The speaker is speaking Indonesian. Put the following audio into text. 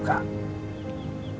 sekarang aku bingung harus bagaimana